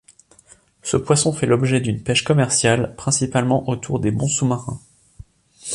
Ce poisson fait l'objet d'une pêche commerciale, principalement autour des monts sous-marins.